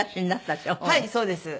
はいそうです。